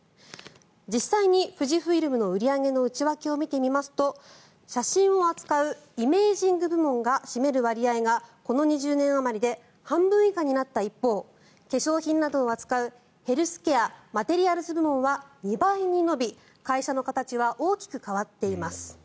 実際に富士フイルムの売り上げの内訳を見てみますと写真を扱うイメージング部門が占める割合がこの２０年あまりで半分以下になった一方化粧品などを扱うヘルスケア・マテリアルズ部門は２倍に伸び、会社の形は大きく変わっています。